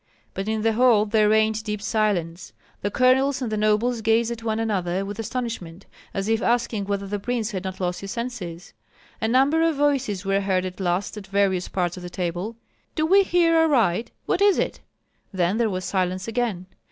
But in the hall there reigned deep silence. The colonels and the nobles gazed at one another with astonishment, as if asking whether the prince had not lost his senses. A number of voices were heard at last at various parts of the table: "Do we hear aright? What is it?" Then there was silence again.